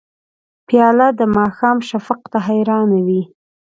پیاله د ماښام شفق ته حیرانه وي.